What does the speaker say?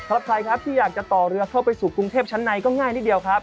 ใครครับที่อยากจะต่อเรือเข้าไปสู่กรุงเทพชั้นในก็ง่ายนิดเดียวครับ